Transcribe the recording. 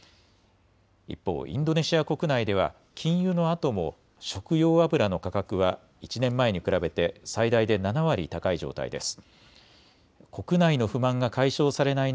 一方、インドネシア国内では禁輸のあとも食用油の価格は１年前に比べて最大で７割高い状態です。